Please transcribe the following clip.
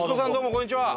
こんにちは。